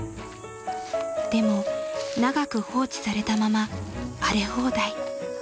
［でも長く放置されたまま荒れ放題］